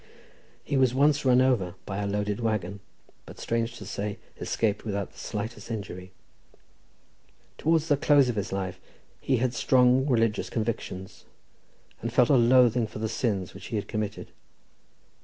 He was once run over by a loaded waggon, but, strange to say, escaped without the slightest injury. Towards the close of his life he had strong religious convictions, and felt a loathing for the sins which he had committed.